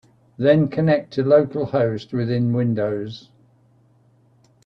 Then connect to localhost within Windows.